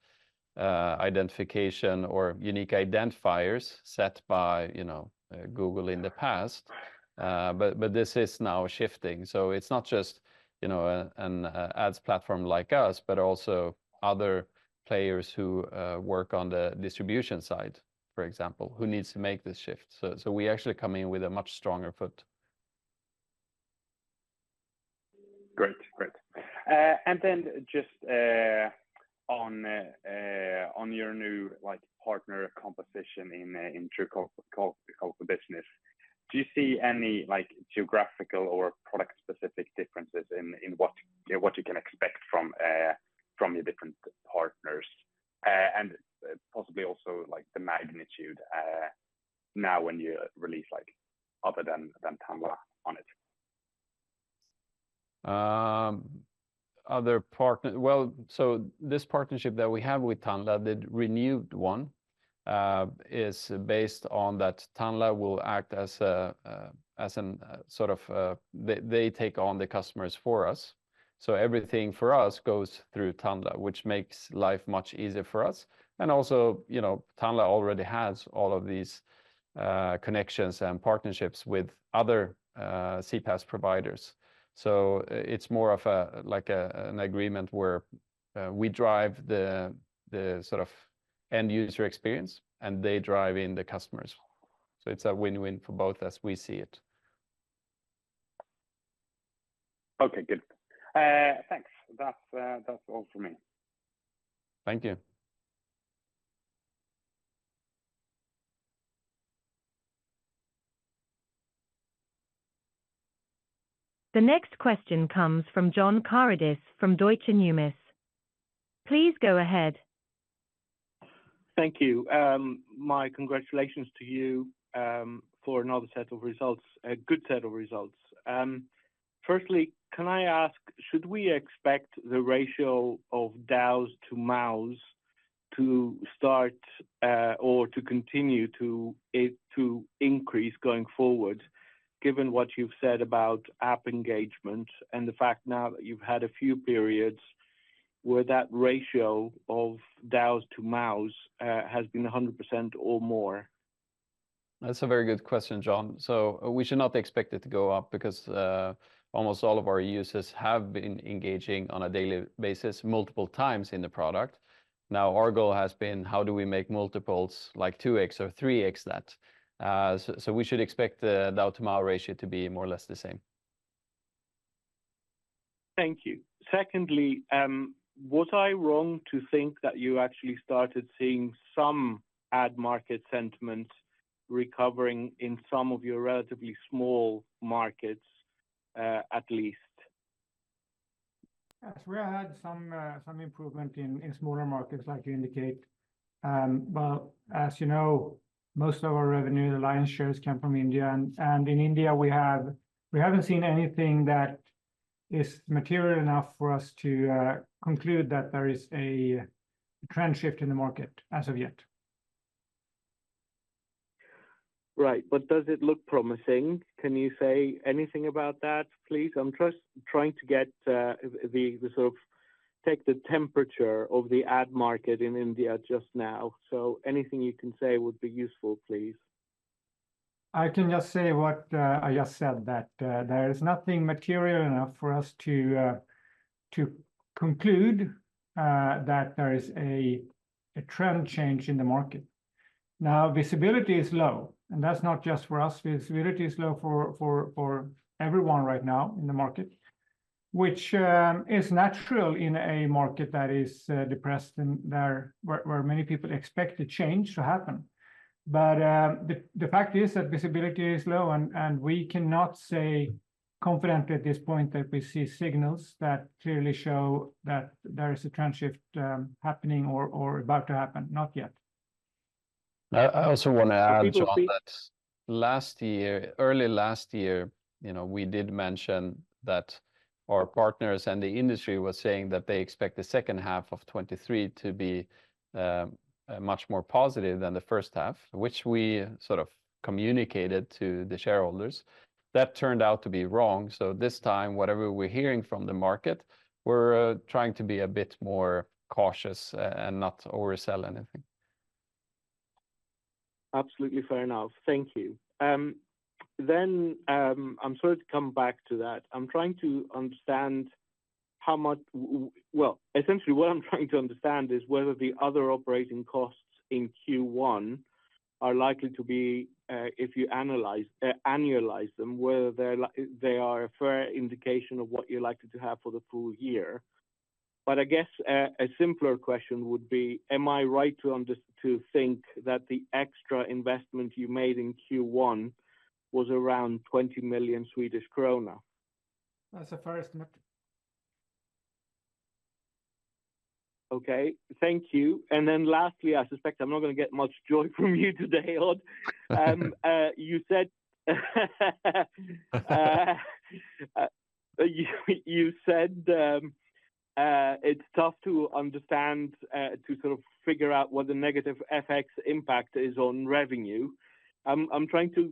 identification or unique identifiers set by, you know, Google in the past. But this is now shifting, so it's not just, you know, an ads platform like us, but also other players who work on the distribution side, for example, who needs to make this shift. So we actually come in with a much stronger foot.... and then just on your new, like, partner composition in Truecaller for Business, do you see any, like, geographical or product-specific differences in what you can expect from your different partners, and possibly also, like, the magnitude now when you release other than Tanla on it? Well, so this partnership that we have with Tanla, the renewed one, is based on that Tanla will act as a sort of they take on the customers for us. So everything for us goes through Tanla, which makes life much easier for us. And also, you know, Tanla already has all of these connections and partnerships with other CPaaS providers. So it's more of a like a an agreement where we drive the sort of end user experience, and they drive in the customers. So it's a win-win for both as we see it. Okay, good. Thanks. That's all for me. Thank you. The next question comes from John Karidis from Deutsche Numis. Please go ahead. Thank you. My congratulations to you, for another set of results, a good set of results. Firstly, can I ask, should we expect the ratio of DAUs to MAUs to start, or to continue to increase going forward, given what you've said about app engagement and the fact now that you've had a few periods where that ratio of DAUs to MAUs has been 100% or more? That's a very good question, John. So we should not expect it to go up because almost all of our users have been engaging on a daily basis multiple times in the product. Now, our goal has been, how do we make multiples like 2x or 3x that? So we should expect the DAU to MAU ratio to be more or less the same. Thank you. Secondly, was I wrong to think that you actually started seeing some ad market sentiment recovering in some of your relatively small markets, at least? Yes, we had some improvement in smaller markets, like you indicate. But as you know, most of our revenue, the lion's shares, come from India, and in India, we haven't seen anything that is material enough for us to conclude that there is a trend shift in the market as of yet. Right. But does it look promising? Can you say anything about that, please? I'm just trying to get the temperature of the ad market in India just now. So anything you can say would be useful, please. I can just say what I just said, that there is nothing material enough for us to conclude that there is a trend change in the market. Now, visibility is low, and that's not just for us. Visibility is low for everyone right now in the market, which is natural in a market that is depressed and there where many people expect a change to happen. But the fact is that visibility is low, and we cannot say confidently at this point that we see signals that clearly show that there is a trend shift happening or about to happen. Not yet. I also wanna add on that. Last year, early last year, you know, we did mention that our partners and the industry were saying that they expect the second half of 2023 to be much more positive than the first half, which we sort of communicated to the shareholders. That turned out to be wrong. So this time, whatever we're hearing from the market, we're trying to be a bit more cautious and not oversell anything. Absolutely fair enough. Thank you. Then, I'm sorry to come back to that. I'm trying to understand how much... essentially, what I'm trying to understand is whether the other operating costs in Q1 are likely to be, if you analyze, annualize them, whether they're a fair indication of what you're likely to have for the full year. But I guess, a simpler question would be, am I right to think that the extra investment you made in Q1 was around 20 million Swedish krona? That's a fair estimate. Okay, thank you. And then lastly, I suspect I'm not gonna get much joy from you today, Odd. You said it's tough to understand, to sort of figure out what the negative FX impact is on revenue. I'm trying to,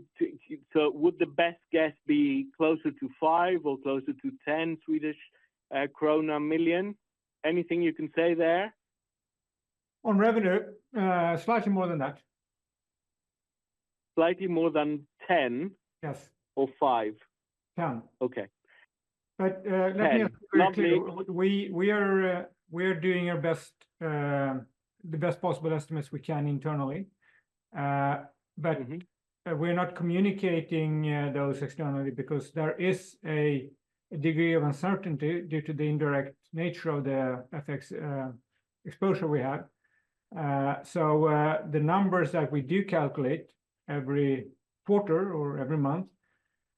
so would the best guess be closer to 5 or closer to 10 million? Anything you can say there? On revenue, slightly more than that. Slightly more than 10? Yes. Or five? Ten. Okay. But, let me- Ten. Lastly- We're doing our best, the best possible estimates we can internally. But- We're not communicating those externally because there is a degree of uncertainty due to the indirect nature of the FX exposure we have. So, the numbers that we do calculate every quarter or every month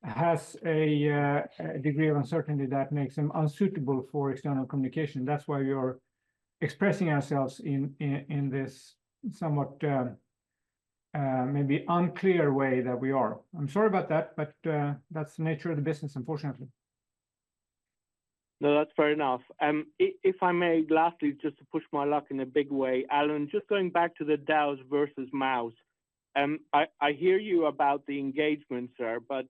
has a degree of uncertainty that makes them unsuitable for external communication. That's why we are expressing ourselves in this somewhat maybe unclear way that we are. I'm sorry about that, but that's the nature of the business, unfortunately. No, that's fair enough. If I may, lastly, just to push my luck in a big way, Alan, just going back to the DAUs versus MAUs. I hear you about the engagement, sir, but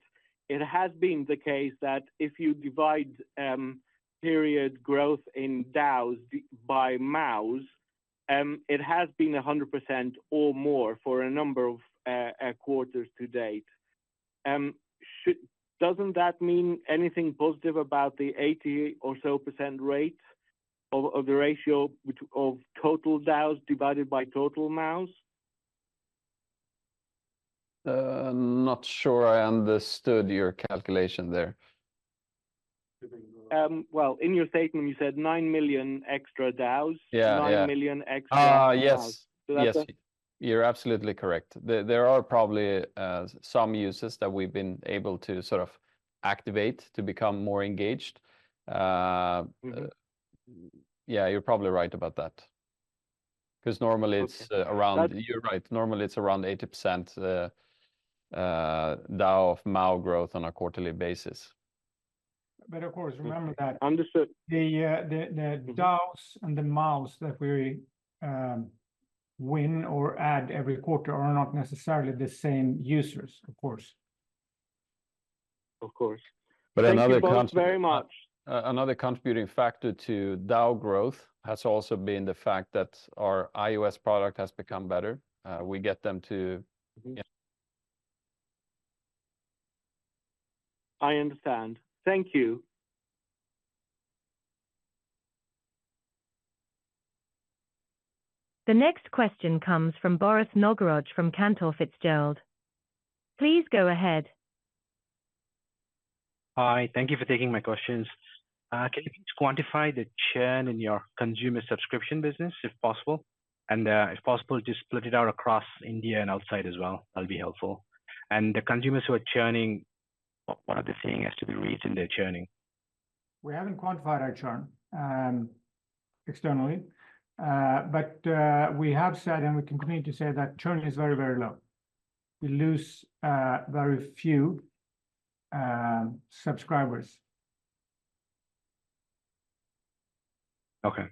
it has been the case that if you divide period growth in DAUs by MAUs, it has been 100% or more for a number of quarters to date. Doesn't that mean anything positive about the 80% or so rate of the ratio of total DAUs divided by total MAUs? I'm not sure I understood your calculation there. Well, in your statement you said 9 million extra DAUs- Yeah. Yeah... 9 million extra MAUs. Ah, yes. So that's- Yes, you're absolutely correct. There are probably some users that we've been able to sort of activate to become more engaged.... yeah, you're probably right about that. 'Cause normally it's- That- Around, you're right, normally it's around 80% DAU of MAU growth on a quarterly basis. But of course, remember that- Understood... the DAUs and the MAUs that we win or add every quarter are not necessarily the same users, of course. Of course. But another cont- Thank you both very much.... another contributing factor to DAU growth has also been the fact that our iOS product has become better. We get them to- Mm-hmm. Yeah. I understand. Thank you. The next question comes from Bharath Nagaraj from Cantor Fitzgerald. Please go ahead. Hi. Thank you for taking my questions. Can you please quantify the churn in your consumer subscription business, if possible? And, if possible, just split it out across India and outside as well. That'll be helpful. And the consumers who are churning, what are they saying as to the reason they're churning? We haven't quantified our churn externally. But we have said, and we continue to say, that churn is very, very low. We lose very few subscribers. Okay.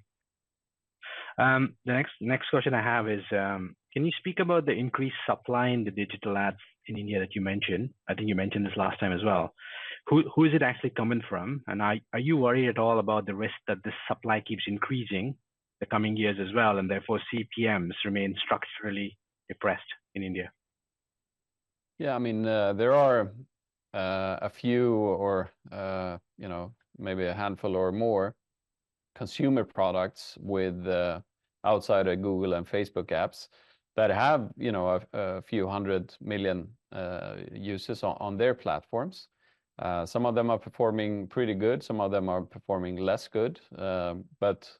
The next question I have is, can you speak about the increased supply in the digital ads in India that you mentioned? I think you mentioned this last time as well. Who is it actually coming from? And are you worried at all about the risk that this supply keeps increasing the coming years as well, and therefore CPMs remain structurally depressed in India? Yeah, I mean, there are a few or, you know, maybe a handful or more consumer products with outside of Google and Facebook apps, that have, you know, a few hundred million users on their platforms. Some of them are performing pretty good, some of them are performing less good. But,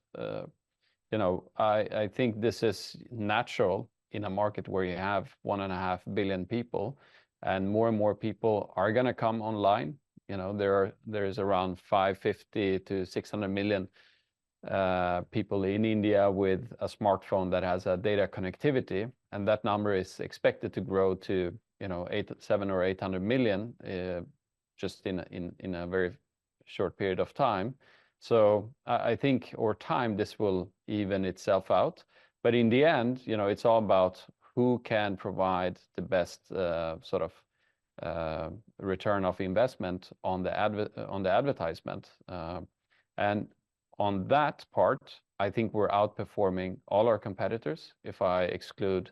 you know, I think this is natural in a market where you have 1.5 billion people, and more and more people are gonna come online. You know, there is around 550-600 million people in India with a smartphone that has a data connectivity, and that number is expected to grow to, you know, 870 or 800 million just in a very short period of time. So I think over time this will even itself out. But in the end, you know, it's all about who can provide the best, sort of, return of investment on the advertisement. And on that part, I think we're outperforming all our competitors, if I exclude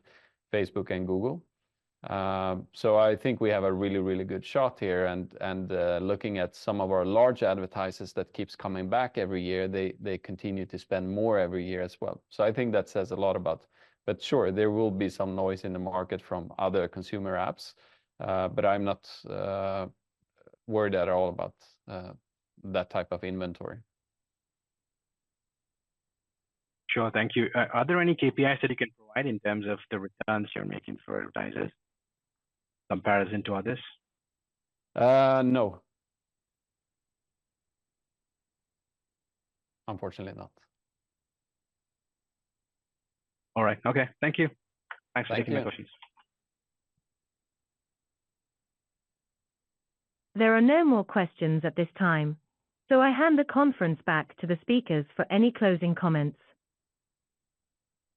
Facebook and Google. So I think we have a really, really good shot here. And looking at some of our large advertisers that keeps coming back every year, they continue to spend more every year as well. So I think that says a lot about... But sure, there will be some noise in the market from other consumer apps, but I'm not worried at all about that type of inventory. Sure. Thank you. Are there any KPIs that you can provide in terms of the returns you're making for advertisers comparison to others? No. Unfortunately not. All right. Okay. Thank you. Thank you. Thanks for taking my questions. There are no more questions at this time, so I hand the conference back to the speakers for any closing comments.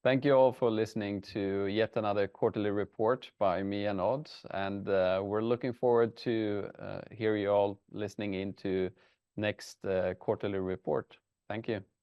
Thank you all for listening to yet another quarterly report by me and Odd, and we're looking forward to hear you all listening into next quarterly report. Thank you.